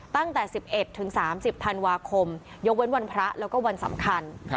ตั้งแต่๑๑ถึง๓๐ธันวาคมยกเว้นวันพระแล้วก็วันสำคัญ